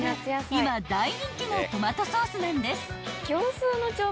今大人気のトマトソースなんです］